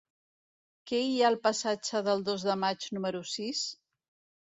Què hi ha al passatge del Dos de Maig número sis?